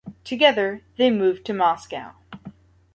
Together, they moved to Moscow.